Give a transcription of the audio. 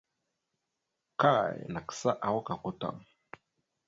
Kay nagsáawak gokwa tam.